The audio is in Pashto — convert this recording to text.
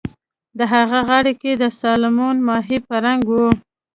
د هغه غاړه کۍ د سالمون ماهي په رنګ وه